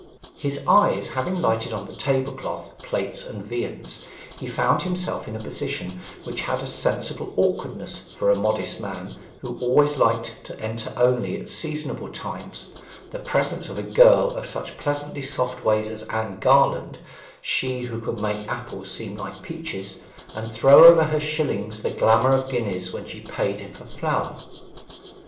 His eyes having lighted on the table cloth, plates, and viands, he found himself in a position which had a sensible awkwardness for a modest man who always liked to enter only at seasonable times the presence of a girl of such pleasantly soft ways as Anne Garland, she who could make apples seem like peaches, and throw over her shillings the glamour of guineas when she paid him for flour.